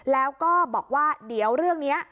แล้วก็บอกว่าเดี๋ยวเรื่องนี้